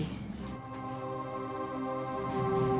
kok mukanya keliatan sedih